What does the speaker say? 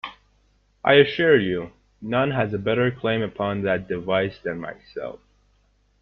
I assure you, none has a better claim upon that device than myself.